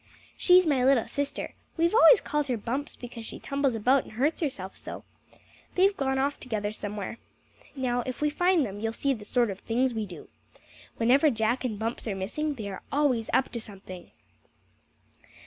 "She's my little sister; we've always called her Bumps because she tumbles about and hurts herself so. They've gone off together somewhere. Now if we find them you'll see the sort of things we do. Whenever Jack and Bumps are missing, they are always up to something!"